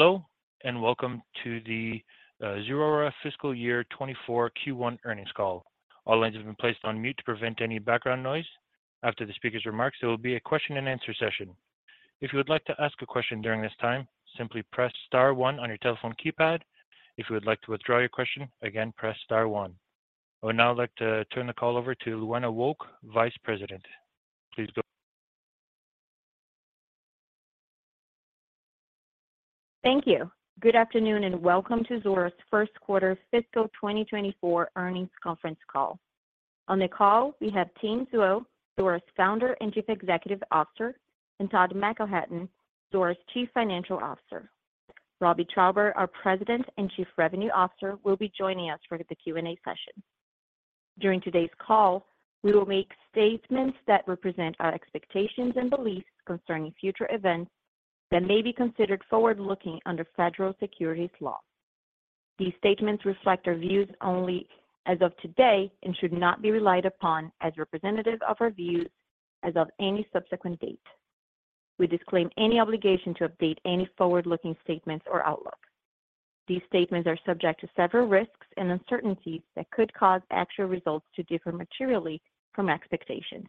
Hello, and welcome to the Zuora Fiscal Year 2024 Q1 earnings call. All lines have been placed on mute to prevent any background noise. After the speaker's remarks, there will be a question and answer session. If you would like to ask a question during this time, simply press star one on your telephone keypad. If you would like to withdraw your question, again, press star one. I would now like to turn the call over to Luana Wolk, Vice President. Thank you. Good afternoon, and welcome to Zuora's 1st quarter fiscal 2024 earnings conference call. On the call, we have Tien Tzuo, Zuora's Founder and Chief Executive Officer, and Todd McElhatton, Zuora's Chief Financial Officer. Robbie Traube, our President and Chief Revenue Officer, will be joining us for the Q&A session. During today's call, we will make statements that represent our expectations and beliefs concerning future events that may be considered forward-looking under federal securities law. These statements reflect our views only as of today and should not be relied upon as representative of our views as of any subsequent date. We disclaim any obligation to update any forward-looking statements or outlook. These statements are subject to several risks and uncertainties that could cause actual results to differ materially from expectations.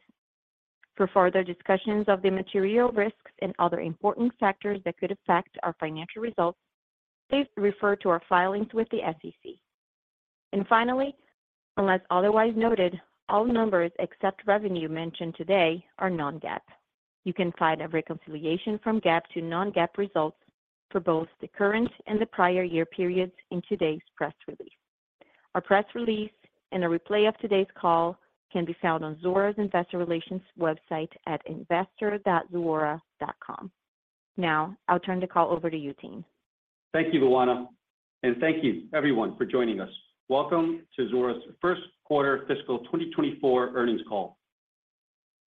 For further discussions of the material risks and other important factors that could affect our financial results, please refer to our filings with the SEC. Finally, unless otherwise noted, all numbers except revenue mentioned today are non-GAAP. You can find a reconciliation from GAAP to non-GAAP results for both the current and the prior year periods in today's press release. Our press release and a replay of today's call can be found on Zuora's Investor Relations website at investor.zuora.com. Now, I'll turn the call over to you, Tien. Thank you, Luana. Thank you everyone for joining us. Welcome to Zuora's first quarter fiscal 2024 earnings call.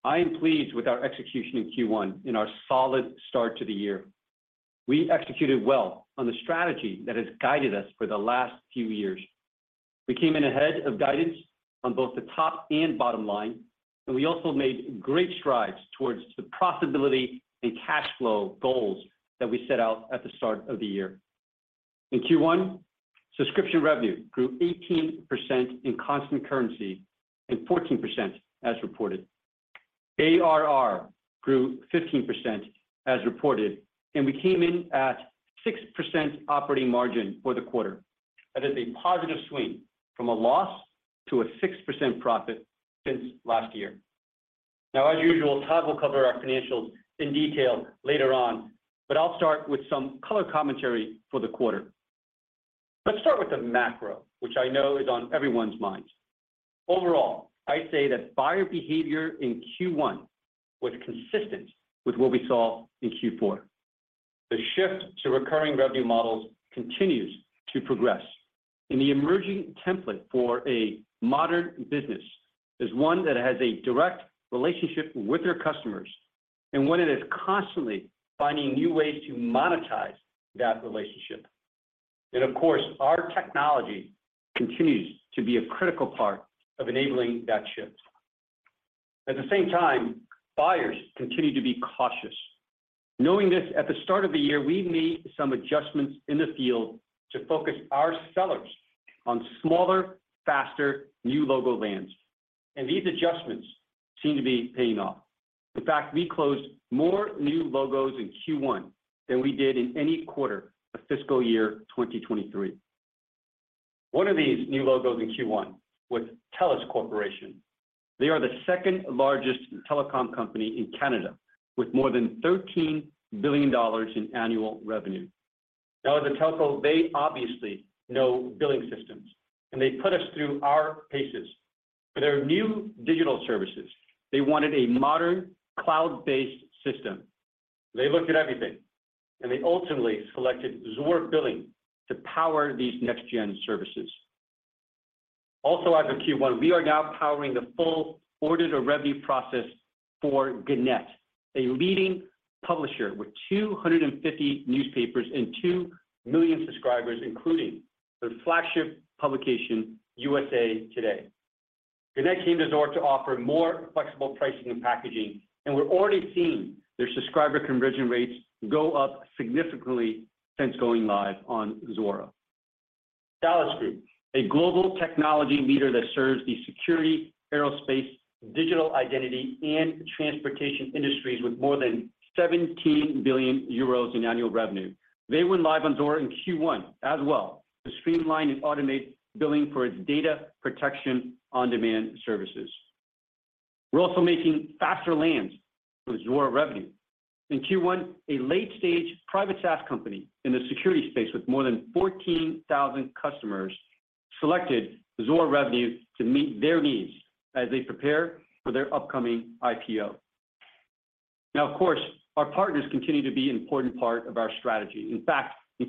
I am pleased with our execution in Q1 and our solid start to the year. We executed well on the strategy that has guided us for the last few years. We came in ahead of guidance on both the top and bottom line, and we also made great strides towards the profitability and cash flow goals that we set out at the start of the year. In Q1, subscription revenue grew 18% in constant currency and 14% as reported. ARR grew 15% as reported, and we came in at 6% operating margin for the quarter. That is a positive swing from a loss to a 6% profit since last year. As usual, Todd will cover our financials in detail later on, but I'll start with some color commentary for the quarter. Let's start with the macro, which I know is on everyone's minds. Overall, I'd say that buyer behavior in Q1 was consistent with what we saw in Q4. The shift to recurring revenue models continues to progress, and the emerging template for a modern business is one that has a direct relationship with their customers and one that is constantly finding new ways to monetize that relationship. Of course, our technology continues to be a critical part of enabling that shift. At the same time, buyers continue to be cautious. Knowing this at the start of the year, we made some adjustments in the field to focus our sellers on smaller, faster, new logo lands. These adjustments seem to be paying off. In fact, we closed more new logos in Q1 than we did in any quarter of fiscal year 2023. One of these new logos in Q1 was TELUS Corporation. They are the second largest telecom company in Canada, with more than $13 billion in annual revenue. As a telco, they obviously know billing systems, and they put us through our paces. For their new digital services, they wanted a modern cloud-based system. They looked at everything, and they ultimately selected Zuora Billing to power these next gen services. Out of Q1, we are now powering the full Order to Revenue process for Gannett, a leading publisher with 250 newspapers and two million subscribers, including their flagship publication, USA Today. Gannett came to Zuora to offer more flexible pricing and packaging, and we're already seeing their subscriber conversion rates go up significantly since going live on Zuora. Thales Group, a global technology leader that serves the security, aerospace, digital identity, and transportation industries with more than 17 billion euros in annual revenue. They went live on Zuora in Q1 as well to streamline and automate billing for its data protection on-demand services. We're also making faster lands with Zuora Revenue. In Q1, a late-stage private SaaS company in the security space with more than 14,000 customers selected Zuora Revenue to meet their needs as they prepare for their upcoming IPO. Of course, our partners continue to be an important part of our strategy. In fact, in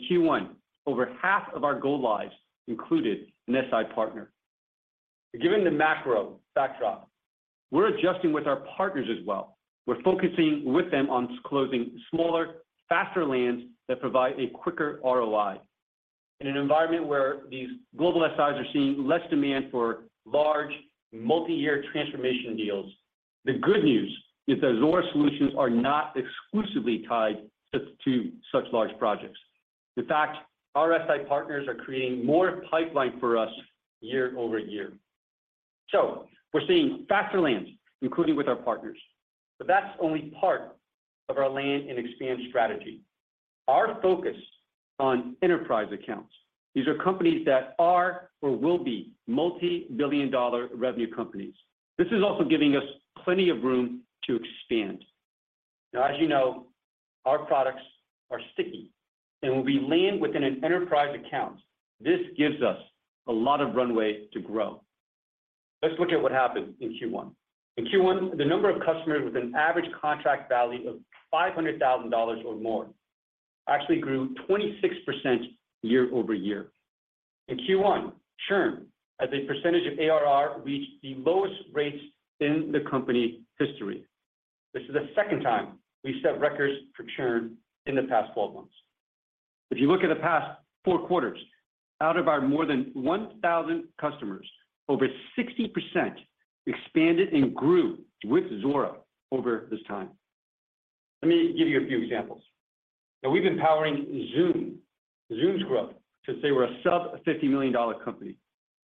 Q1, over half of our go-lives included an SI partner. Given the macro backdrop, we're adjusting with our partners as well. We're focusing with them on closing smaller, faster lands that provide a quicker ROI. In an environment where these global SIs are seeing less demand for large, multi-year transformation deals, the good news is that Zuora solutions are not exclusively tied to such large projects. In fact, our SI partners are creating more pipeline for us year over year. We're seeing faster lands, including with our partners. That's only part of our land and expand strategy. Our focus on enterprise accounts. These are companies that are or will be multi-billion dollar revenue companies. This is also giving us plenty of room to expand. As you know, our products are sticky. When we land within an enterprise account, this gives us a lot of runway to grow. Let's look at what happened in Q1. In Q1, the number of customers with an average contract value of $500,000 or more actually grew 26% YoY. In Q1, churn as a percentage of ARR reached the lowest rates in the company history. This is the second time we've set records for churn in the past 12 months. If you look at the past four quarters, out of our more than 1,000 customers, over 60% expanded and grew with Zuora over this time. Let me give you a few examples. Now we've been powering Zoom. Zoom's growth since they were a sub $50 million company.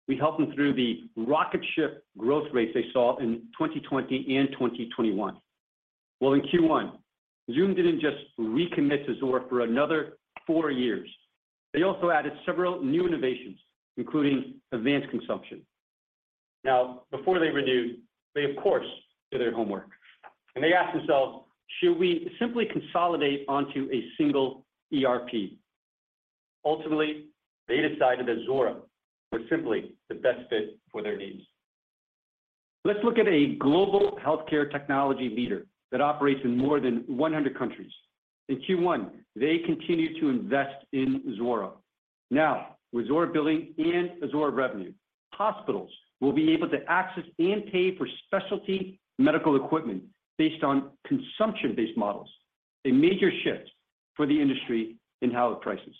We helped them through the rocket ship growth rates they saw in 2020 and 2021. Well, in Q1, Zoom didn't just recommit to Zuora for another four years, they also added several new innovations, including Advanced Consumption. Now before they renewed, they of course, did their homework. They asked themselves, should we simply consolidate onto a single ERP? Ultimately, they decided that Zuora was simply the best fit for their needs. Let's look at a global healthcare technology leader that operates in more than 100 countries. In Q1, they continued to invest in Zuora. Now, with Zuora Billing and Zuora Revenue, hospitals will be able to access and pay for specialty medical equipment based on consumption-based models, a major shift for the industry in how it prices.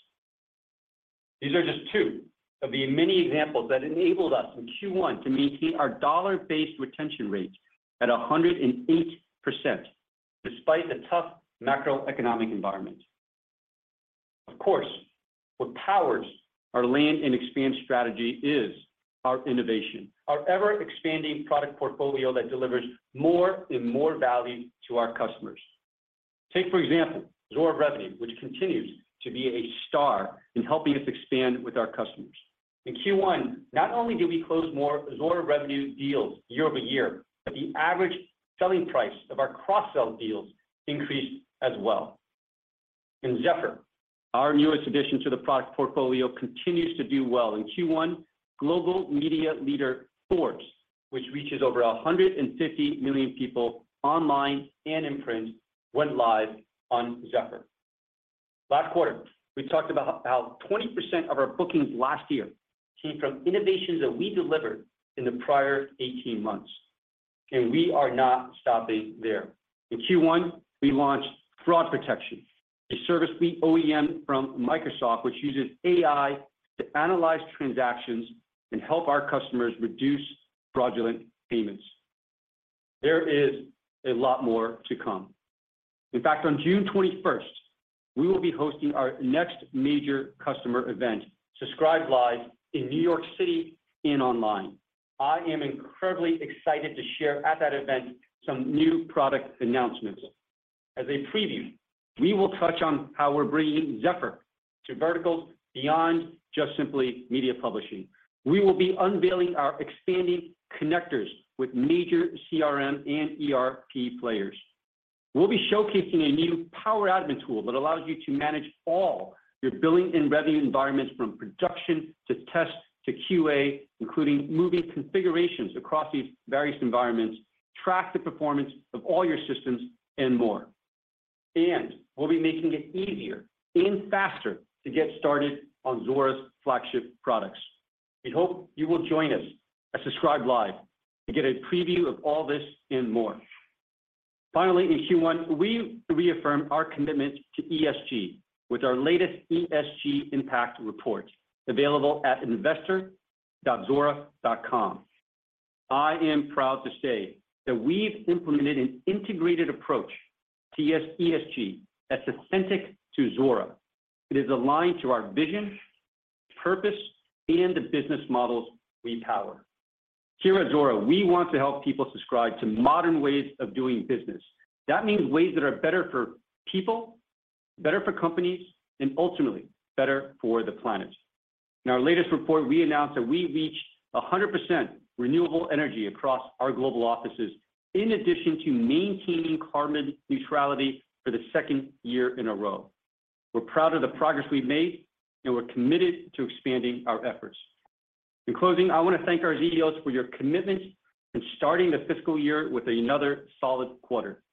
These are just two of the many examples that enabled us in Q1 to maintain our dollar-based retention rates at 108% despite the tough macroeconomic environment. Of course, what powers our land and expand strategy is our innovation, our ever-expanding product portfolio that delivers more and more value to our customers. Take for example, Zuora Revenue, which continues to be a star in helping us expand with our customers. In Q1, not only did we close more Zuora Revenue deals YoY, but the average selling price of our cross-sell deals increased as well. Zephr, our newest addition to the product portfolio, continues to do well. In Q1, global media leader Forbes, which reaches over 150 million people online and in print, went live on Zephr. Last quarter, we talked about how 20% of our bookings last year came from innovations that we delivered in the prior 18 months. We are not stopping there. In Q1, we launched Fraud Protection, a service we OEM from Microsoft, which uses AI to analyze transactions and help our customers reduce fraudulent payments. There is a lot more to come. In fact, on June 21st, we will be hosting our next major customer event, Subscribed Live, in New York City and online. I am incredibly excited to share at that event some new product announcements. As a preview, we will touch on how we're bringing Zephr to verticals beyond just simply media publishing. We will be unveiling our expanding connectors with major CRM and ERP players. We'll be showcasing a new power admin tool that allows you to manage all your billing and revenue environments from production to test to QA, including moving configurations across these various environments, track the performance of all your systems, and more. We'll be making it easier and faster to get started on Zuora's flagship products. We hope you will join us at Subscribed Live to get a preview of all this and more. In Q1, we reaffirmed our commitment to ESG with our latest ESG impact report available at investor.zuora.com. I am proud to say that we've implemented an integrated approach to ESG that's authentic to Zuora. It is aligned to our vision, purpose, and the business models we power. Here at Zuora, we want to help people subscribe to modern ways of doing business. That means ways that are better for people, better for companies, and ultimately, better for the planet. In our latest report, we announced that we reached 100% renewable energy across our global offices in addition to maintaining carbon neutrality for the second year in a row. We're proud of the progress we've made, and we're committed to expanding our efforts. In closing, I want to thank our ZEOs for your commitment in starting the fiscal year with another solid quarter.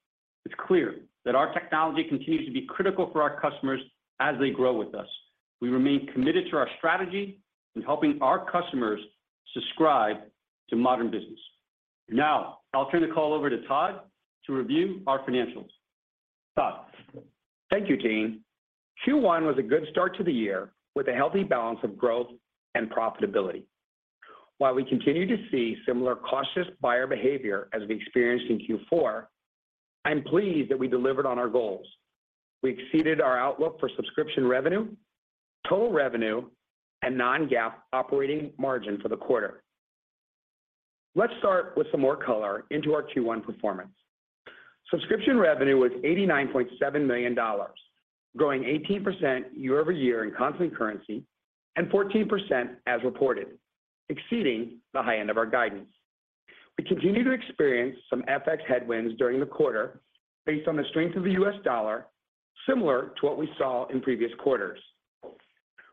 It's clear that our technology continues to be critical for our customers as they grow with us. We remain committed to our strategy in helping our customers subscribe to modern business. Now, I'll turn the call over to Todd to review our financials. Thanks. Thank you, Tien. Q1 was a good start to the year with a healthy balance of growth and profitability. While we continue to see similar cautious buyer behavior as we experienced in Q4, I'm pleased that we delivered on our goals. We exceeded our outlook for subscription revenue, total revenue, and non-GAAP operating margin for the quarter. Let's start with some more color into our Q1 performance. Subscription revenue was $89.7 million, growing 18% YoY in constant currency and 14% as reported, exceeding the high end of our guidance. We continue to experience some FX headwinds during the quarter based on the strength of the U.S. dollar, similar to what we saw in previous quarters.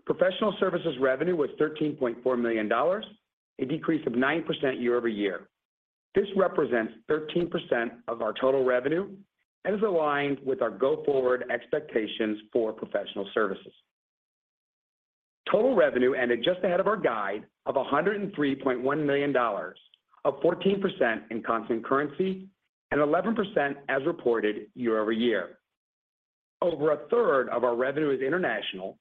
Professional services revenue was $13.4 million, a decrease of 9% YoY. This represents 13% of our total revenue and is aligned with our go-forward expectations for professional services. Total revenue ended just ahead of our guide of $103.1 million, up 14% in constant currency and 11% as reported YoY. Over a third of our revenue is international,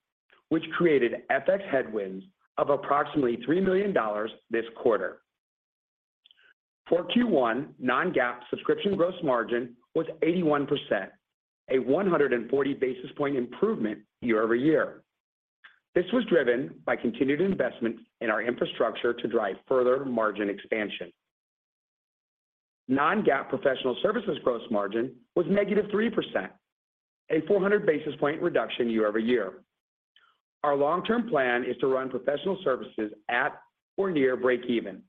which created FX headwinds of approximately $3 million this quarter. For Q1, non-GAAP subscription gross margin was 81%, a 140 basis point improvement YoY. This was driven by continued investment in our infrastructure to drive further margin expansion. Non-GAAP professional services gross margin was negative 3%, a 400 basis point reduction YoY. Our long-term plan is to run professional services at or near breakeven.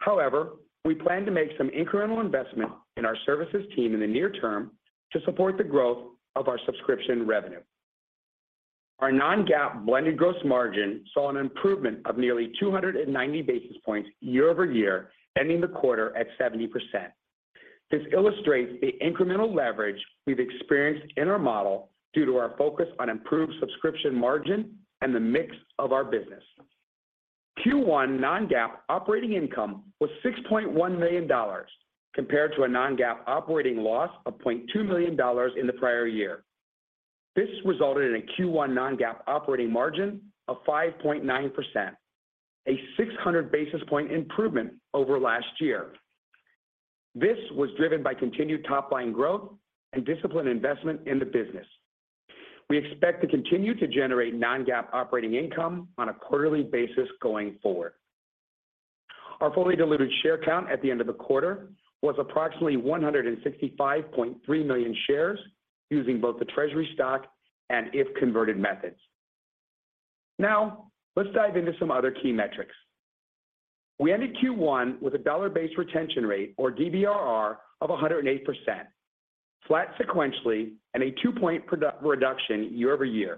However, we plan to make some incremental investment in our services team in the near term to support the growth of our subscription revenue. Our non-GAAP blended gross margin saw an improvement of nearly 290 basis points YoY, ending the quarter at 70%. This illustrates the incremental leverage we've experienced in our model due to our focus on improved subscription margin and the mix of our business. Q1 non-GAAP operating income was $6.1 million compared to a non-GAAP operating loss of $0.2 million in the prior year. This resulted in a Q1 non-GAAP operating margin of 5.9%, a 600 basis point improvement over last year. This was driven by continued top-line growth and disciplined investment in the business. We expect to continue to generate non-GAAP operating income on a quarterly basis going forward. Our fully diluted share count at the end of the quarter was approximately 165.3 million shares using both the treasury stock and if-converted methods. Let's dive into some other key metrics. We ended Q1 with a dollar-based retention rate, or DBRR, of 108%, flat sequentially and a two-point reduction YoY.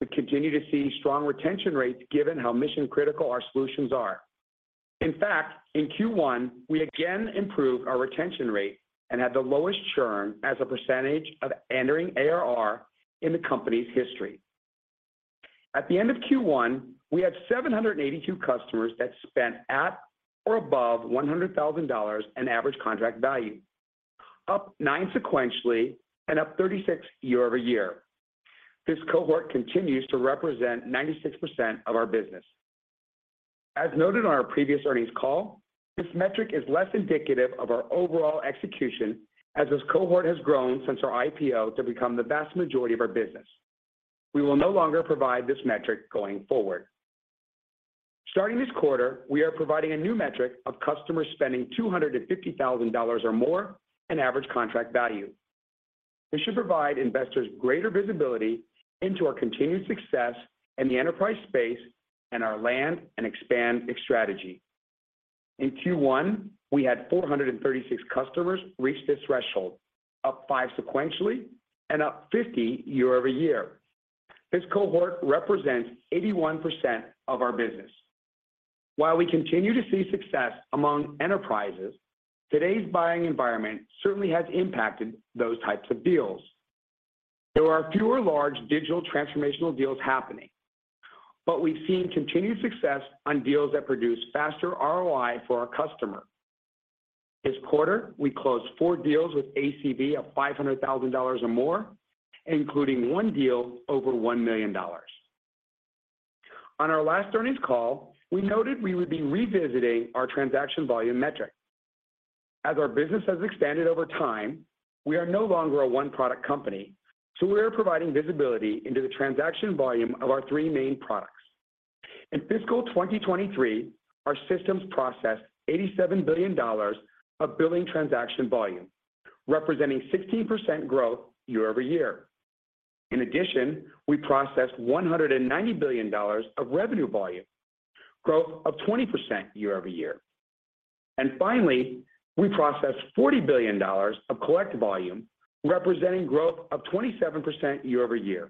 We continue to see strong retention rates given how mission-critical our solutions are. In fact, in Q1, we again improved our retention rate and had the lowest churn as a percentage of entering ARR in the company's history. At the end of Q1, we had 782 customers that spent at or above $100,000 in average contract value, up nine sequentially and up 36 YoY. This cohort continues to represent 96% of our business. As noted on our previous earnings call, this metric is less indicative of our overall execution as this cohort has grown since our IPO to become the vast majority of our business. We will no longer provide this metric going forward. Starting this quarter, we are providing a new metric of customers spending $250,000 or more in average contract value. This should provide investors greater visibility into our continued success in the enterprise space and our land and expand strategy. In Q1, we had 436 customers reach this threshold, up five sequentially and up 50 YoY. This cohort represents 81% of our business. While we continue to see success among enterprises, today's buying environment certainly has impacted those types of deals. There are fewer large digital transformational deals happening, but we've seen continued success on deals that produce faster ROI for our customer. This quarter, we closed four deals with ACV of $500,000 or more, including one deal over $1 million. On our last earnings call, we noted we would be revisiting our transaction volume metric. As our business has expanded over time, we are no longer a one-product company, so we are providing visibility into the transaction volume of our three main products. In fiscal 2023, our systems processed $87 billion of billing transaction volume, representing 16% growth YoY. In addition, we processed $190 billion of revenue volume, growth of 20% YoY. Finally, we processed $40 billion of collect volume, representing growth of 27% YoY.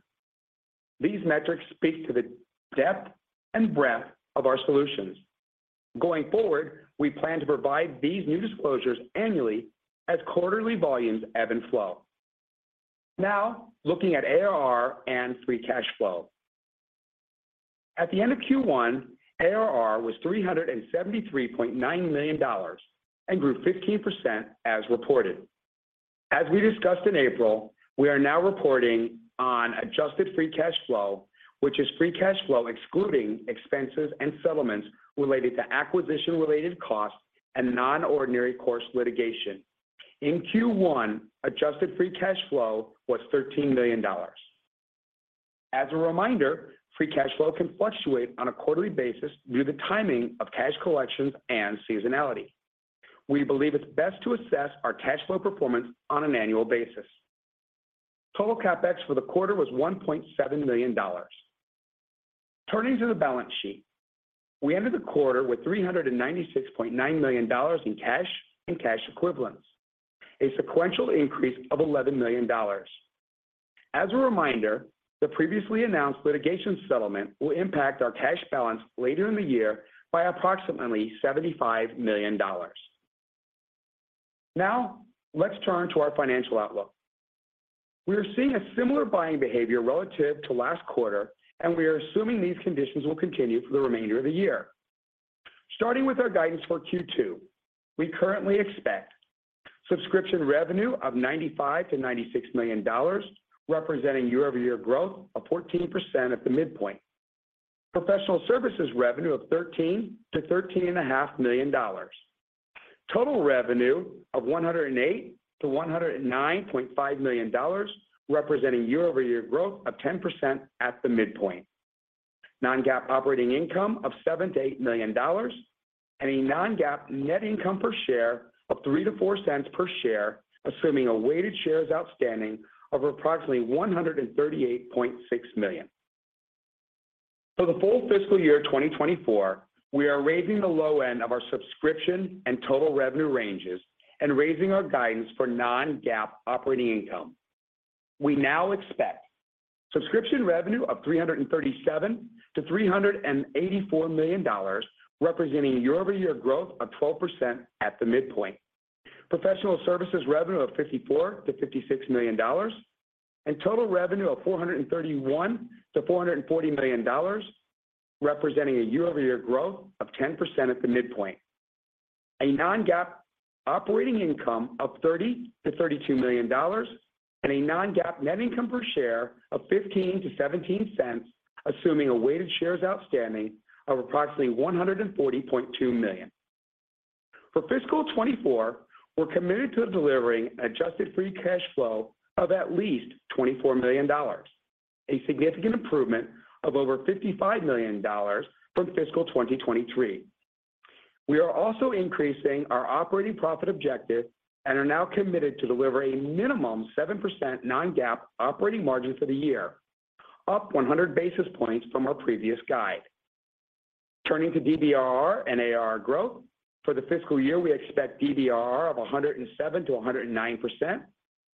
These metrics speak to the depth and breadth of our solutions. Going forward, we plan to provide these new disclosures annually as quarterly volumes ebb and flow. Looking at ARR and free cash flow. At the end of Q1, ARR was $373.9 million and grew 15% as reported. As we discussed in April, we are now reporting on adjusted free cash flow, which is free cash flow excluding expenses and settlements related to acquisition-related costs and non-ordinary course litigation. In Q1, adjusted free cash flow was $13 million. As a reminder, free cash flow can fluctuate on a quarterly basis due to timing of cash collections and seasonality. We believe it's best to assess our cash flow performance on an annual basis. Total CapEx for the quarter was $1.7 million. Turning to the balance sheet. We ended the quarter with $396.9 million in cash and cash equivalents, a sequential increase of $11 million. As a reminder, the previously announced litigation settlement will impact our cash balance later in the year by approximately $75 million. Let's turn to our financial outlook. We are seeing a similar buying behavior relative to last quarter. We are assuming these conditions will continue for the remainder of the year. Starting with our guidance for Q2, we currently expect subscription revenue of $95 million-$96 million, representing YoY growth of 14% at the midpoint. Professional services revenue of $13 million to thirteen and a half million dollars. Total revenue of $108-$109.5 million, representing YoY growth of 10% at the midpoint. Non-GAAP operating income of $7 million-$8 million, and a non-GAAP net income per share of $0.03-$0.04 per share, assuming a weighted shares outstanding of approximately 138.6 million. For the full fiscal year 2024, we are raising the low end of our subscription and total revenue ranges and raising our guidance for non-GAAP operating income. We now expect subscription revenue of $337-$384 million, representing a YoY growth of 12% at the midpoint. Professional services revenue of $54-$56 million, and total revenue of $431-$440 million, representing a YoY growth of 10% at the midpoint. A non-GAAP operating income of $30-$32 million, a non-GAAP net income per share of $0.15-$0.17, assuming a weighted shares outstanding of approximately 140.2 million. For fiscal 2024, we're committed to delivering adjusted free cash flow of at least $24 million, a significant improvement of over $55 million from fiscal 2023. We are also increasing our operating profit objective and are now committed to deliver a minimum 7% non-GAAP operating margin for the year, up 100 basis points from our previous guide. Turning to DBR and ARR growth. For the fiscal year, we expect DBR of 107%-109%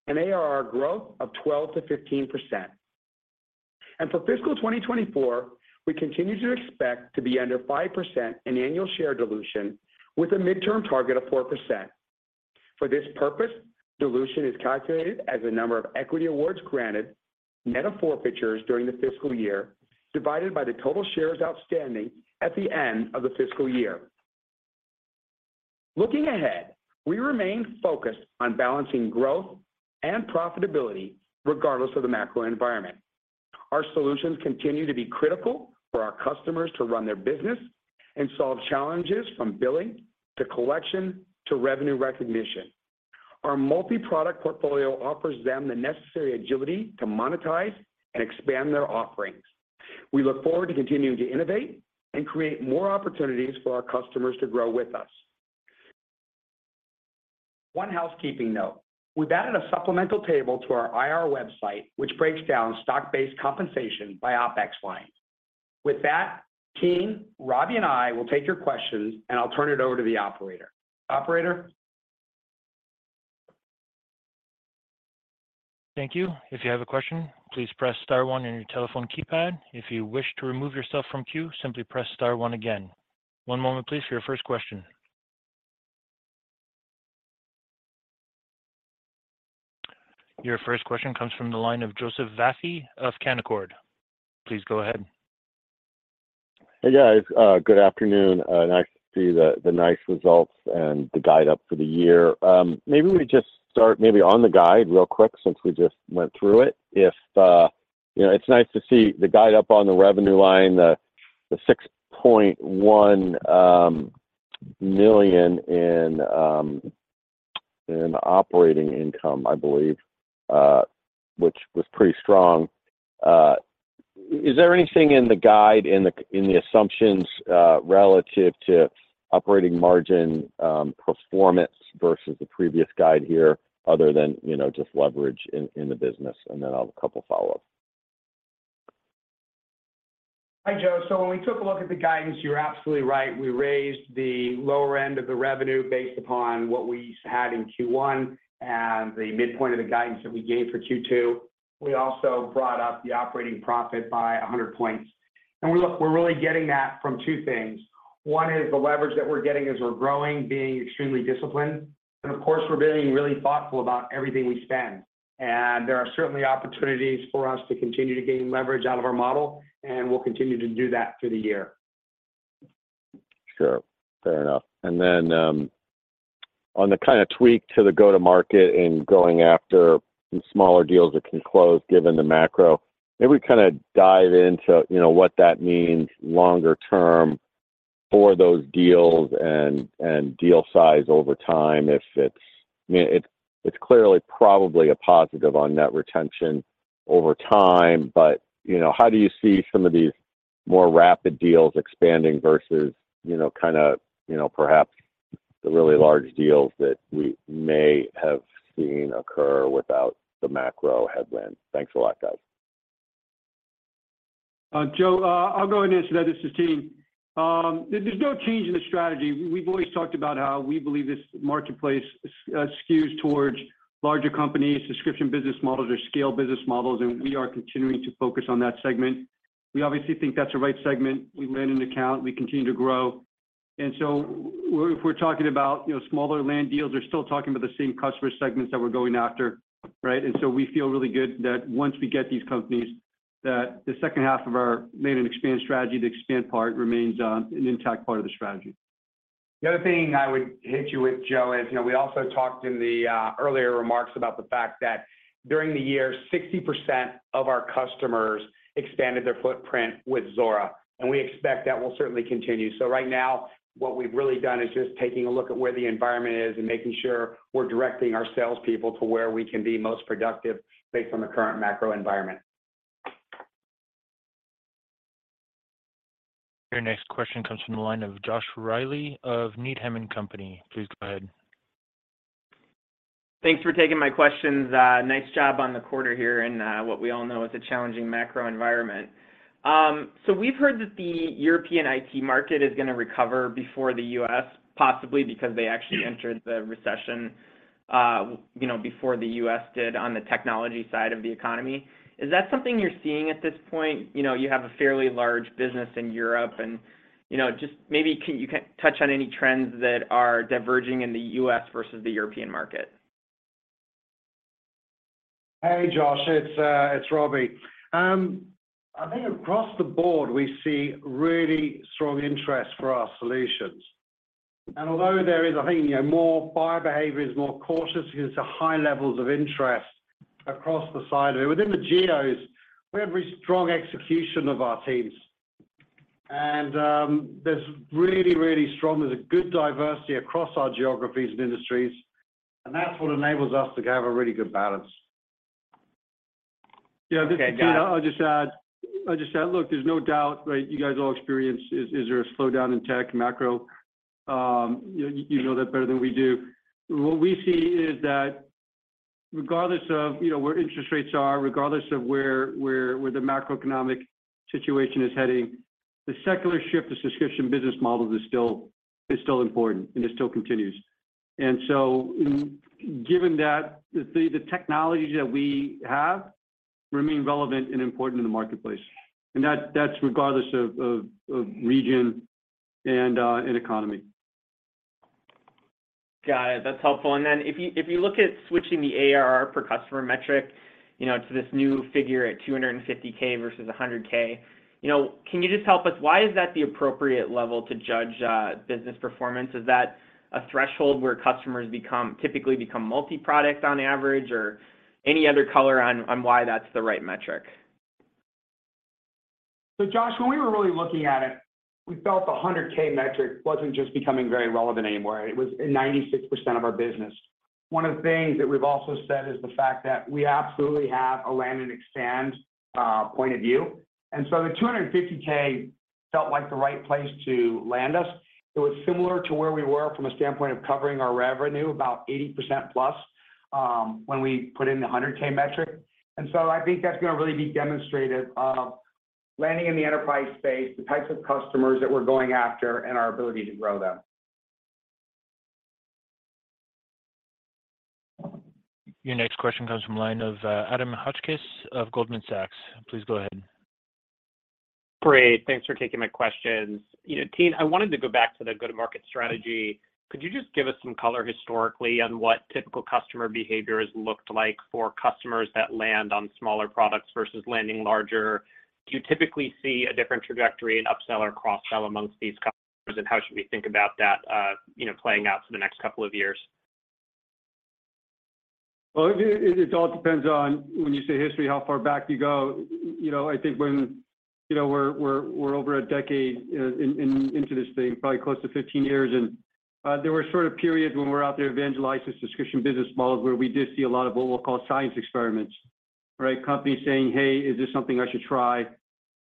and ARR growth of 12%-15%. For fiscal 2024, we continue to expect to be under 5% in annual share dilution with a midterm target of 4%. For this purpose, dilution is calculated as the number of equity awards granted net of forfeitures during the fiscal year, divided by the total shares outstanding at the end of the fiscal year. Looking ahead, we remain focused on balancing growth and profitability regardless of the macro environment. Our solutions continue to be critical for our customers to run their business and solve challenges from billing to collection to revenue recognition. Our multi-product portfolio offers them the necessary agility to monetize and expand their offerings. We look forward to continuing to innovate and create more opportunities for our customers to grow with us. One housekeeping note: We've added a supplemental table to our IR website, which breaks down stock-based compensation by OpEx lines. With that, team, Robbie and I will take your questions, and I'll turn it over to the operator. Operator? Thank you. If you have a question, please press star one on your telephone keypad. If you wish to remove yourself from queue, simply press star one again. One moment please for your first question. Your first question comes from the line of Joseph Vafi of Canaccord. Please go ahead. Hey, guys, good afternoon. Nice to see the nice results and the guide up for the year. Maybe we just start on the guide real quick since we just went through it. If, you know, it's nice to see the guide up on the revenue line, the $6.1 million in operating income, I believe, which was pretty strong. Is there anything in the guide in the assumptions relative to operating margin performance versus the previous guide here other than, you know, just leverage in the business? Then I'll have a couple follow-ups. Hi, Joe. When we took a look at the guidance, you're absolutely right. We raised the lower end of the revenue based upon what we had in Q1 and the midpoint of the guidance that we gave for Q2. We also brought up the operating profit by 100 points. We're really getting that from two things. One is the leverage that we're getting as we're growing, being extremely disciplined, and of course, we're being really thoughtful about everything we spend. There are certainly opportunities for us to continue to gain leverage out of our model, and we'll continue to do that through the year. Sure. Fair enough. On the kinda tweak to the go-to market and going after some smaller deals that can close given the macro, maybe kinda dive into, you know, what that means longer term for those deals and deal size over time if it's. I mean, it's clearly probably a positive on net retention over time, but, you know, how do you see some of these more rapid deals expanding versus, you know, kinda, you know, perhaps the really large deals that we may have seen occur without the macro headwind? Thanks a lot, guys. Joe, I'll go and answer that. This is Tien. There's no change in the strategy. We've always talked about how we believe this marketplace skews towards larger companies, subscription business models or scale business models, and we are continuing to focus on that segment. We obviously think that's the right segment. We land an account, we continue to grow. So if we're talking about, you know, smaller land deals, we're still talking about the same customer segments that we're going after, right? So we feel really good that once we get these companies, that the second half of our land and expand strategy, the expand part remains an intact part of the strategy. The other thing I would hit you with, Joe, is, you know, we also talked in the earlier remarks about the fact that during the year, 60% of our customers expanded their footprint with Zuora, and we expect that will certainly continue. Right now, what we've really done is just taking a look at where the environment is and making sure we're directing our salespeople to where we can be most productive based on the current macro environment. Your next question comes from the line of Joshua Reilly of Needham & Company. Please go ahead. Thanks for taking my questions. Nice job on the quarter here in what we all know is a challenging macro environment. We've heard that the European IT market is gonna recover before the U.S., possibly because they actually entered the recession, you know, before the U.S. did on the technology side of the economy. Is that something you're seeing at this point? You know, you have a fairly large business in Europe and, you know, just maybe you can touch on any trends that are diverging in the U.S. versus the European market. Hey, Josh. It's Robbie. I think across the board, we see really strong interest for our solutions. Although there is, I think, you know, more buyer behavior is more cautious, there's a high levels of interest across the side. Within the geos, we have really strong execution of our teams. There's really strong. There's a good diversity across our geographies and industries, and that's what enables us to have a really good balance. Yeah, this is Tien. I'll just add. Look, there's no doubt, right, you guys all experience is there a slowdown in tech macro? You know that better than we do. What we see is that regardless of, you know, where interest rates are, regardless of where the macroeconomic situation is heading, the secular shift to subscription business models is still important, and it still continues. Given that, the technologies that we have remain relevant and important in the marketplace. That's regardless of region and economy. Got it. That's helpful. If you look at switching the ARR per customer metric, you know, to this new figure at 250K versus 100K, you know, can you just help us, why is that the appropriate level to judge business performance? Is that a threshold where customers typically become multi-product on average or any other color on why that's the right metric? Josh, when we were really looking at it, we felt the 100 K metric wasn't just becoming very relevant anymore. It was in 96% of our business. One of the things that we've also said is the fact that we absolutely have a land and expand point of view. The 250 K felt like the right place to land us. It was similar to where we were from a standpoint of covering our revenue, about 80% plus, when we put in the 100 K metric. I think that's gonna really be demonstrative of landing in the enterprise space, the types of customers that we're going after, and our ability to grow them. Your next question comes from line of Adam Hotchkiss of Goldman Sachs. Please go ahead. Great. Thanks for taking my questions. You know, Tien, I wanted to go back to the go-to-market strategy. Could you just give us some color historically on what typical customer behaviors looked like for customers that land on smaller products versus landing larger? Do you typically see a different trajectory in upsell or cross-sell amongst these customers? How should we think about that, you know, playing out for the next couple of years? Well, it all depends on when you say history, how far back you go. You know, I think when, you know, we're over a decade into this thing, probably close to 15 years, and there were sort of periods when we're out there evangelizing subscription business models where we did see a lot of what we'll call science experiments, right? Companies saying, "Hey, is this something I should try?"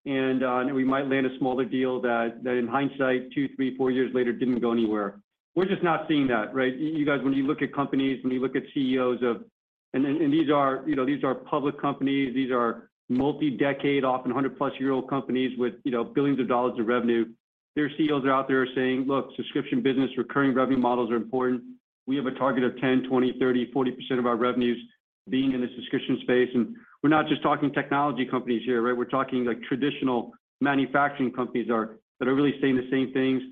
And we might land a smaller deal that in hindsight, two, three, four years later, didn't go anywhere. We're just not seeing that, right? You guys, when you look at companies, when you look at CEOs of... These are, you know, these are public companies, these are multi-decade, often 100-plus-year-old companies with, you know, $ billions of revenue. Their CEOs are out there saying, "Look, subscription business, recurring revenue models are important." We have a target of 10%, 20%, 30%, 40% of our revenues being in the subscription space. We're not just talking technology companies here, right? We're talking like traditional manufacturing companies that are really saying the same things.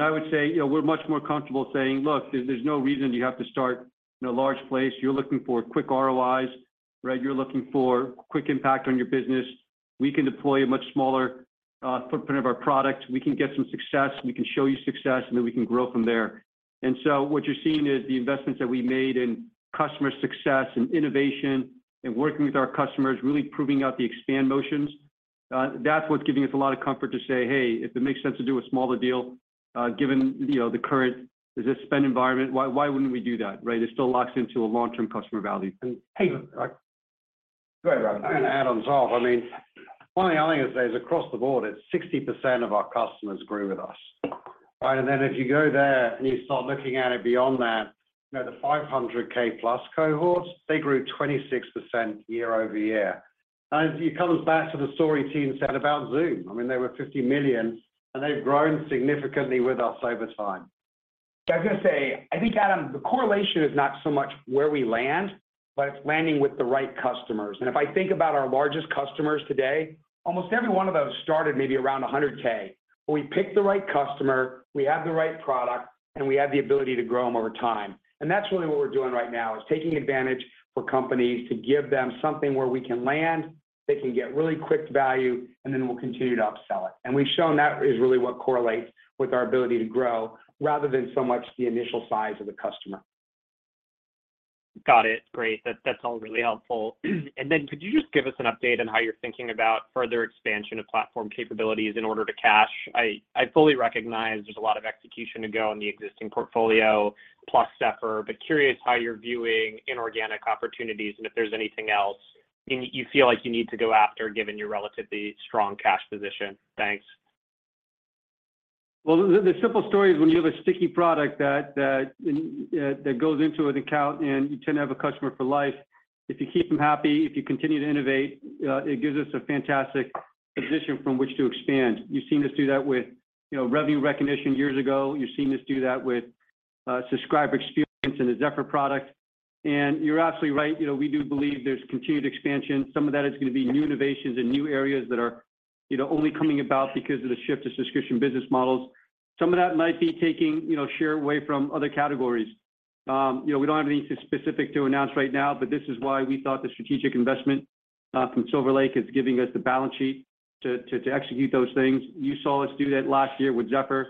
I would say, you know, we're much more comfortable saying, "Look, there's no reason you have to start in a large place. You're looking for quick ROIs, right? You're looking for quick impact on your business. We can deploy a much smaller footprint of our product. We can get some success, we can show you success, and then we can grow from there." What you're seeing is the investments that we made in customer success and innovation and working with our customers, really proving out the expand motions, that's what's giving us a lot of comfort to say, "Hey, if it makes sense to do a smaller deal, given, you know, the current, the spend environment, why wouldn't we do that?" Right? It still locks into a long-term customer value. Hey. Go ahead, Robbie. I'm gonna add on top. I mean, one thing I think is across the board, it's 60% of our customers grew with us, right? If you go there, and you start looking at it beyond that, you know, the 500k plus cohorts, they grew 26% YoY. It comes back to the story team said about Zoom. I mean, they were $50 million, and they've grown significantly with us over time. I was gonna say, I think, Adam Hotchkiss, the correlation is not so much where we land, but it's landing with the right customers. If I think about our largest customers today, almost every one of those started maybe around 100k. We picked the right customer, we have the right product, and we have the ability to grow them over time. That's really what we're doing right now, is taking advantage for companies to give them something where we can land, they can get really quick value, and then we'll continue to upsell it. We've shown that is really what correlates with our ability to grow rather than so much the initial size of the customer. Got it. Great. That's all really helpful. Could you just give us an update on how you're thinking about further expansion of platform capabilities in Order to Cash? I fully recognize there's a lot of execution to go in the existing portfolio plus Zephr, curious how you feel like you need to go after given your relatively strong cash position. Thanks. Well, the simple story is when you have a sticky product that goes into an account and you tend to have a customer for life, if you keep them happy, if you continue to innovate, it gives us a fantastic position from which to expand. You've seen us do that with, you know, revenue recognition years ago. You've seen us do that with subscriber experience in the Zephr product. You're absolutely right, you know, we do believe there's continued expansion. Some of that is gonna be new innovations in new areas that are, you know, only coming about because of the shift to subscription business models. Some of that might be taking, you know, share away from other categories. You know, we don't have anything specific to announce right now. This is why we thought the strategic investment from Silver Lake is giving us the balance sheet to execute those things. You saw us do that last year with Zephr.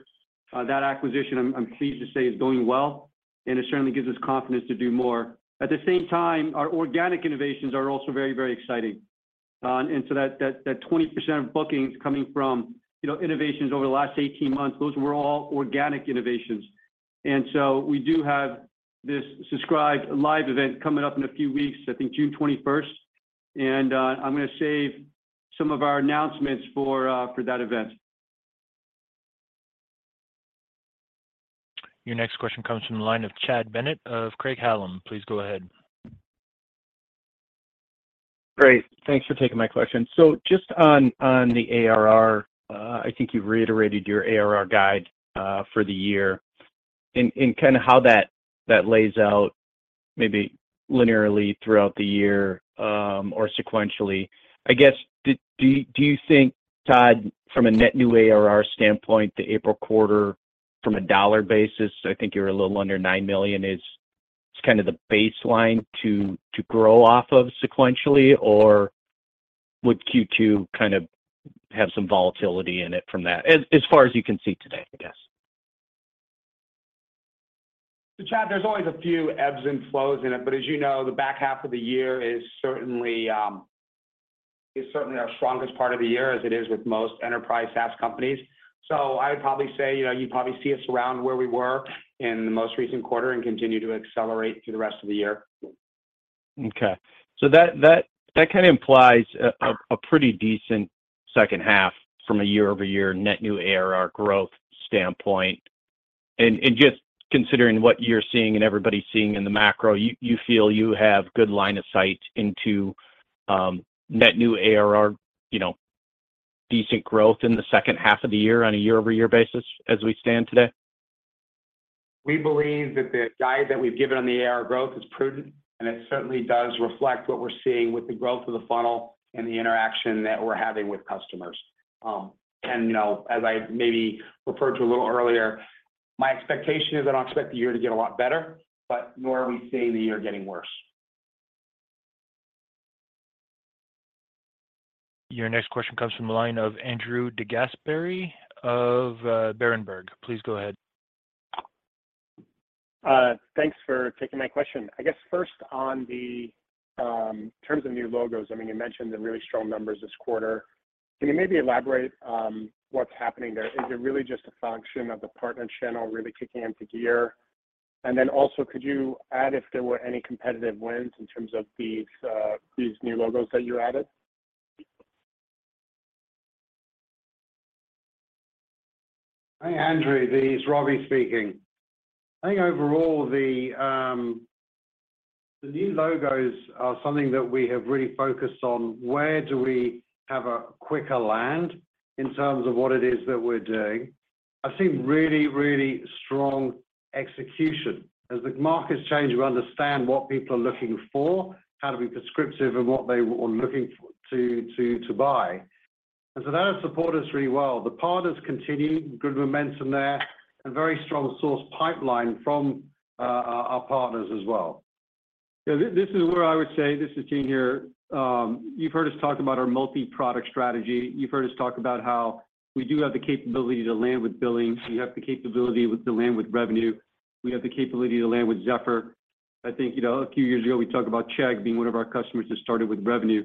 That acquisition, I'm pleased to say, is going well, and it certainly gives us confidence to do more. At the same time, our organic innovations are also very, very exciting. That 20% of bookings coming from, you know, innovations over the last 18 months, those were all organic innovations. We do have this Subscribed Live event coming up in a few weeks, I think June 21st. I'm gonna save some of our announcements for that event. Your next question comes from the line of Chad Bennett of Craig-Hallum. Please go ahead. Great. Thanks for taking my question. Just on the ARR, I think you reiterated your ARR guide for the year and kind of how that lays out maybe linearly throughout the year, or sequentially. I guess, do you think, Todd, from a net new ARR standpoint, the April quarter from a dollar basis, I think you're a little under $9 million, is just kind of the baseline to grow off of sequentially? Or would Q2 kind of have some volatility in it from that? As far as you can see today, I guess. Chad, there's always a few ebbs and flows in it. As you know, the back half of the year is certainly our strongest part of the year as it is with most enterprise SaaS companies. I would probably say, you know, you probably see us around where we were in the most recent quarter and continue to accelerate through the rest of the year. That kinda implies a pretty decent second half from a YoY net new ARR growth standpoint. And just considering what you're seeing and everybody's seeing in the macro, you feel you have good line of sight into net new ARR, you know, decent growth in the second half of the year on a YoY basis as we stand today? We believe that the guide that we've given on the ARR growth is prudent, and it certainly does reflect what we're seeing with the growth of the funnel and the interaction that we're having with customers. You know, as I maybe referred to a little earlier, my expectation is I don't expect the year to get a lot better, but nor are we saying the year getting worse. Your next question comes from the line of Andrew DeGasperi of Berenberg. Please go ahead. Thanks for taking my question. I guess first on the, terms of new logos, I mean, you mentioned the really strong numbers this quarter. Can you maybe elaborate, what's happening there? Is it really just a function of the partner channel really kicking into gear? Then also could you add if there were any competitive wins in terms of these new logos that you added? Hey, Andrew, this is Robbie speaking. I think overall the new logos are something that we have really focused on. Where do we have a quicker land in terms of what it is that we're doing? I've seen really, really strong execution. As the markets change, we understand what people are looking for, how to be prescriptive in what they were looking for to buy. That has supported us really well. The partners continue, good momentum there, and very strong source pipeline from our partners as well. Yeah, this is where I would say, this is Tien here. You've heard us talk about our multi-product strategy. You've heard us talk about how we do have the capability to land with billing. We have the capability with the land with revenue. We have the capability to land with Zephr. I think, you know, a few years ago, we talked about Chegg being one of our customers that started with revenue,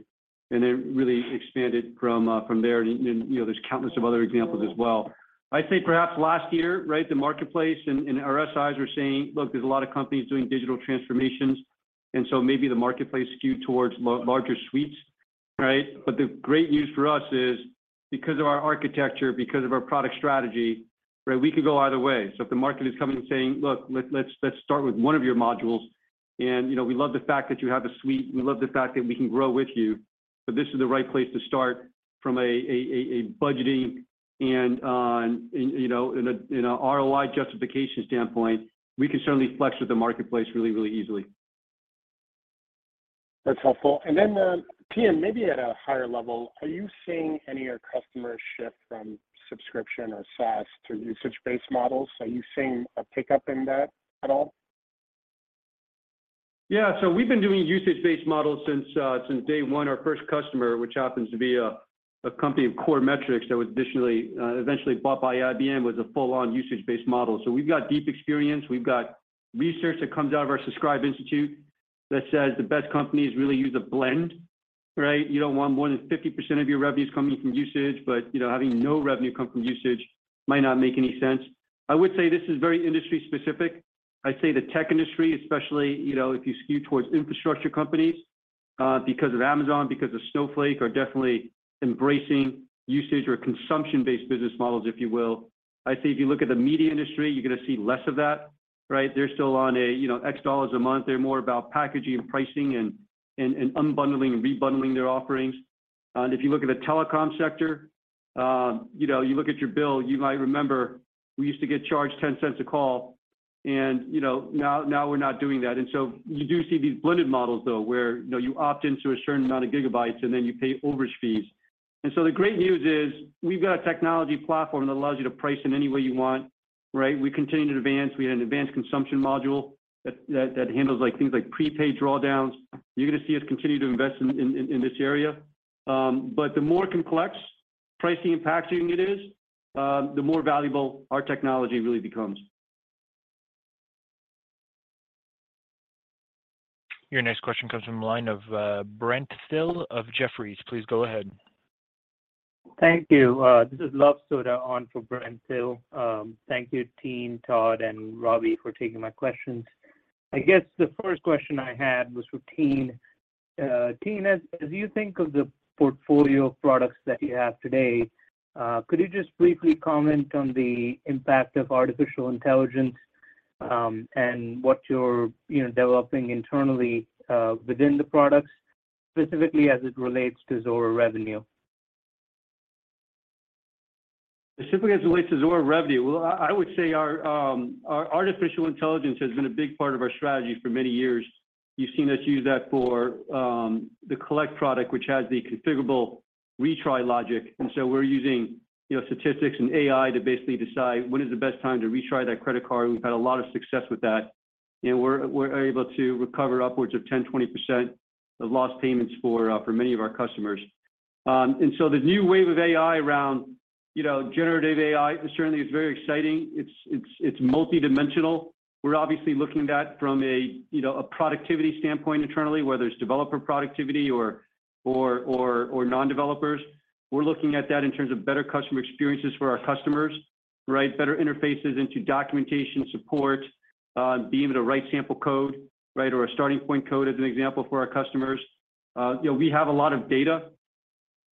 and then really expanded from there. You know, there's countless of other examples as well. I'd say perhaps last year, right? The marketplace and our SIs are saying, "Look, there's a lot of companies doing digital transformations, and so maybe the marketplace skewed towards larger suites." Right? The great news for us is because of our architecture, because of our product strategy, right? We can go either way. If the market is coming and saying, "Look, let's start with one of your modules. You know, we love the fact that you have a suite. We love the fact that we can grow with you. This is the right place to start from a budgeting and, you know, in a ROI justification standpoint," we can certainly flex with the marketplace really, really easily. That's helpful. Tien, maybe at a higher level, are you seeing any of your customers shift from subscription or SaaS to usage-based models? Are you seeing a pickup in that at all? Yeah. We've been doing usage-based models since day one. Our first customer, which happens to be a company of Coremetrics that was additionally, eventually bought by IBM, was a full-on usage-based model. We've got deep experience. We've got research that comes out of our Subscribed Institute that says the best companies really use a blend, right? You don't want more than 50% of your revenues coming from usage, but, you know, having no revenue come from usage might not make any sense. I would say this is very industry specific. I'd say the tech industry, especially, you know, if you skew towards infrastructure companies, because of Amazon, because of Snowflake, are definitely embracing usage or consumption-based business models, if you will. I'd say if you look at the media industry, you're gonna see less of that, right? They're still on a, you know, X dollars a month. They're more about packaging, pricing, and unbundling and rebundling their offerings. If you look at the telecom sector, you know, you look at your bill, you might remember we used to get charged $0.10 a call and, you know, now we're not doing that. You do see these blended models, though, where, you know, you opt into a certain amount of gigabytes, and then you pay overage fees. The great news is we've got a technology platform that allows you to price in any way you want, right? We continue to advance. We had an Advanced Consumption module that handles like things like prepaid drawdowns. You're gonna see us continue to invest in this area. The more complex pricing and packaging it is, the more valuable our technology really becomes. Your next question comes from the line of Brent Thill of Jefferies. Please go ahead. Thank you. This is Luv Sodha on for Brent Thill. Thank you, Tien, Todd, and Robbie for taking my questions. I guess the first question I had was for Tien. Tien, as you think of the portfolio of products that you have today, could you just briefly comment on the impact of artificial intelligence, and what you're, you know, developing internally, within the products, specifically as it relates to Zuora Revenue? Specifically as it relates to Zuora Revenue, well, I would say our artificial intelligence has been a big part of our strategy for many years. You've seen us use that for the collect product, which has the Configurable Payment Retry Logic. So we're using, you know, statistics and AI to basically decide when is the best time to retry that credit card. We've had a lot of success with that, and we're able to recover upwards of 10%, 20% of lost payments for many of our customers. So the new wave of AI around, you know, generative AI certainly is very exciting. It's multidimensional. We're obviously looking at that from a, you know, a productivity standpoint internally, whether it's developer productivity or non-developers. We're looking at that in terms of better customer experiences for our customers, right? Better interfaces into documentation support, being able to write sample code, right? Or a starting point code as an example for our customers. You know, we have a lot of data,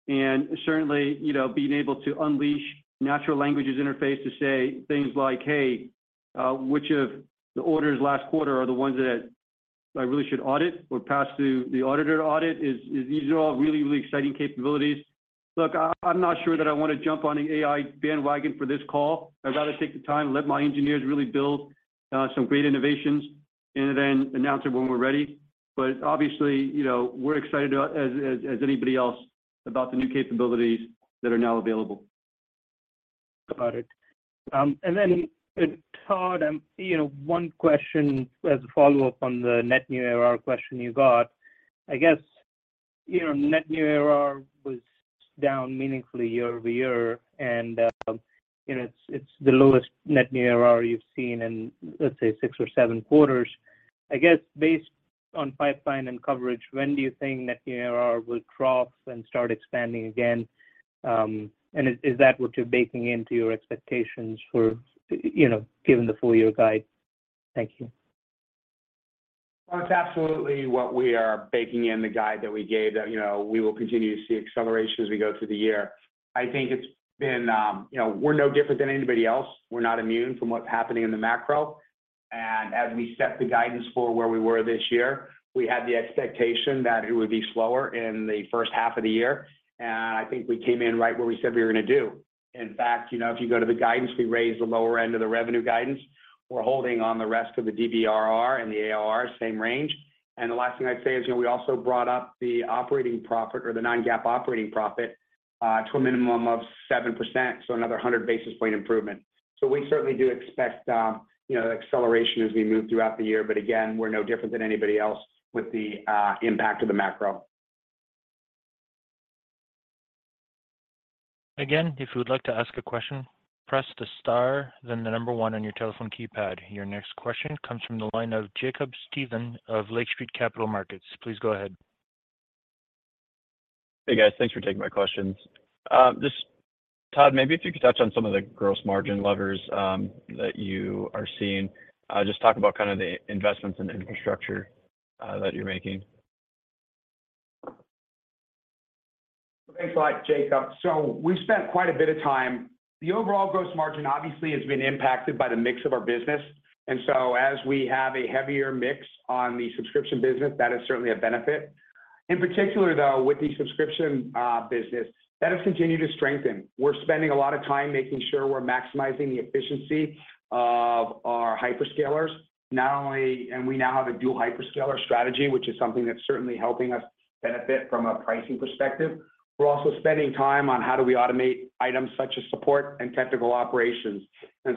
and certainly, you know, being able to unleash natural languages interface to say things like, "Hey, which of the orders last quarter are the ones that I really should audit or pass through the auditor audit?" These are all really, really exciting capabilities. Look, I'm not sure that I wanna jump on the AI bandwagon for this call. I'd rather take the time, let my engineers really build some great innovations and then announce it when we're ready. Obviously, you know, we're excited as anybody else about the new capabilities that are now available. Got it. Todd and Tien, you know, one question as a follow-up on the net new ARR question you got. I guess, you know, net new ARR was down meaningfully YoY, it's the lowest net new ARR you've seen in, let's say, six or seven quarters. I guess based on pipeline and coverage, when do you think net new ARR will cross and start expanding again? Is that what you're baking into your expectations for, you know, given the full year guide? Thank you. Well, it's absolutely what we are baking in the guide that we gave that, you know, we will continue to see acceleration as we go through the year. I think it's been, you know, we're no different than anybody else. We're not immune from what's happening in the macro. As we set the guidance for where we were this year, we had the expectation that it would be slower in the first half of the year. I think we came in right where we said we were gonna do. In fact, you know, if you go to the guidance, we raised the lower end of the revenue guidance. We're holding on the rest of the DBRR and the AOR, same range. The last thing I'd say is, you know, we also brought up the operating profit or the non-GAAP operating profit, to a minimum of 7%, so another 100 basis point improvement. We certainly do expect, you know, acceleration as we move throughout the year. Again, we're no different than anybody else with the impact of the macro. If you would like to ask a question, press the star then the one on your telephone keypad. Your next question comes from the line of Jacob Stephan of Lake Street Capital Markets. Please go ahead. Hey, guys. Thanks for taking my questions. Just, Todd, maybe if you could touch on some of the gross margin levers that you are seeing. Just talk about kind of the investments in infrastructure that you're making. Thanks a lot, Jacob. We've spent quite a bit of time. The overall gross margin obviously has been impacted by the mix of our business. As we have a heavier mix on the subscription business, that is certainly a benefit. In particular, though, with the subscription business, that has continued to strengthen. We're spending a lot of time making sure we're maximizing the efficiency of our hyperscalers. We now have a dual-hyperscaler strategy, which is something that's certainly helping us benefit from a pricing perspective. We're also spending time on how do we automate items such as support and technical operations.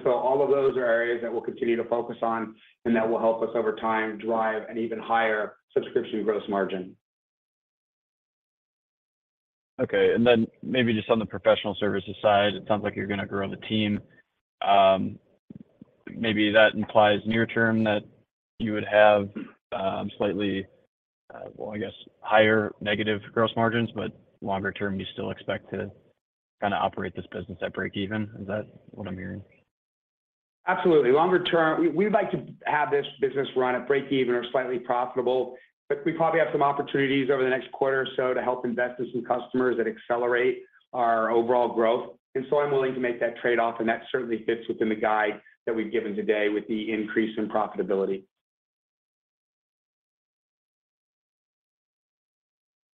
All of those are areas that we'll continue to focus on, and that will help us over time drive an even higher subscription gross margin. Okay. Maybe just on the professional services side, it sounds like you're gonna grow the team. That implies near term that you would have slightly, well, I guess, higher negative gross margins, but longer term, you still expect to kind of operate this business at break even. Is that what I'm hearing? Absolutely. Longer term, we'd like to have this business run at break even or slightly profitable, but we probably have some opportunities over the next quarter or so to help invest in some customers that accelerate our overall growth. I'm willing to make that trade-off, and that certainly fits within the guide that we've given today with the increase in profitability.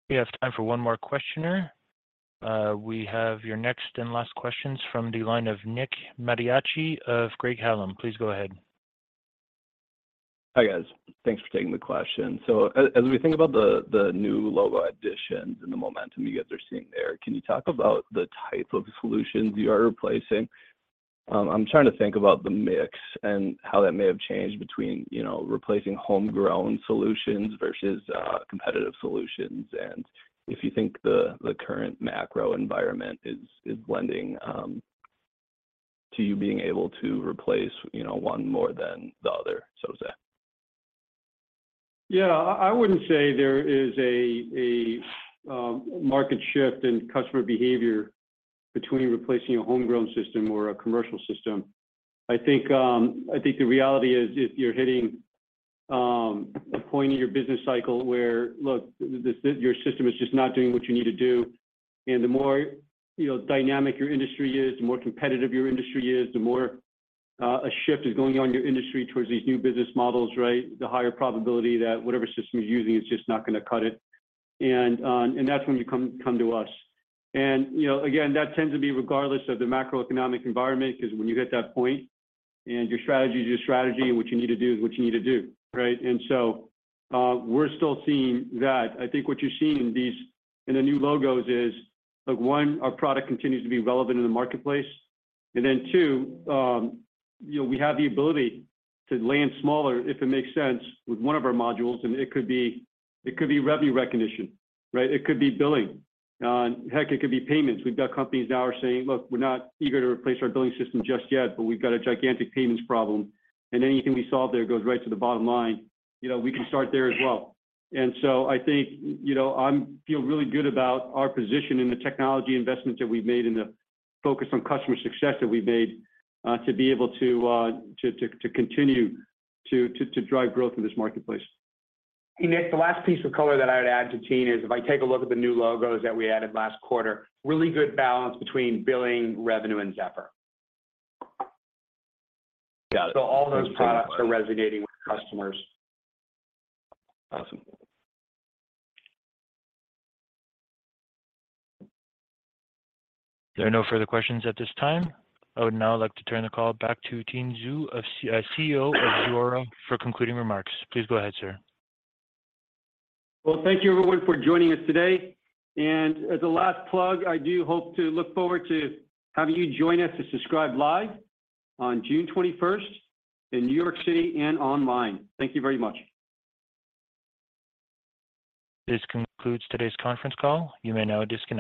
We have time for one more questioner. We have your next and last questions from the line of Nick Mattiacci of Craig-Hallum. Please go ahead. Hi, guys. Thanks for taking the question. As we think about the new logo additions and the momentum you guys are seeing there, can you talk about the type of solutions you are replacing? I'm trying to think about the mix and how that may have changed between, you know, replacing homegrown solutions versus competitive solutions, if you think the current macro environment is lending to you being able to replace, you know, one more than the other, so to say. I wouldn't say there is a market shift in customer behavior between replacing a homegrown system or a commercial system. I think, I think the reality is if you're hitting a point in your business cycle where, look, your system is just not doing what you need to do, and the more, you know, dynamic your industry is, the more competitive your industry is, the more a shift is going on in your industry towards these new business models, right? The higher probability that whatever system you're using is just not gonna cut it. That's when you come to us. You know, again, that tends to be regardless of the macroeconomic environment, 'cause when you get to that point and your strategy is your strategy, and what you need to do is what you need to do, right? We're still seeing that. I think what you're seeing in the new logos is, look, one, our product continues to be relevant in the marketplace. Then two, you know, we have the ability to land smaller, if it makes sense, with one of our modules, and it could be, it could be revenue recognition, right? It could be billing. Heck, it could be payments. We've got companies now are saying, "Look, we're not eager to replace our billing system just yet, but we've got a gigantic payments problem." Anything we solve there goes right to the bottom line. You know, we can start there as well. I think, you know, I'm feel really good about our position in the technology investments that we've made and the focus on customer success that we've made, to be able to continue to drive growth in this marketplace. Hey, Nick, the last piece of color that I would add to Tien is if I take a look at the new logos that we added last quarter, really good balance between billing, revenue, and Zephr. Got it. All those products are resonating with customers. Awesome. There are no further questions at this time. I would now like to turn the call back to Tien Tzuo, CEO of Zuora for concluding remarks. Please go ahead, sir. Well, thank you everyone for joining us today. As a last plug, I do hope to look forward to having you join us at Subscribed Live on June 21st in New York City and online. Thank you very much. This concludes today's conference call. You may now disconnect.